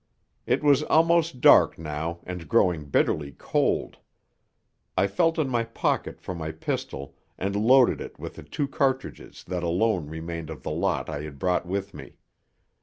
It was almost dark now and growing bitterly cold. I felt in my pocket for my pistol and loaded it with the two cartridges that alone remained of the lot I had brought with me.